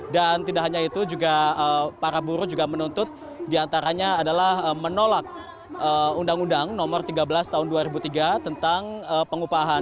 dan tidak hanya itu juga para buruh juga menuntut diantaranya adalah menolak undang undang nomor tiga belas tahun dua ribu tiga tentang pengupahan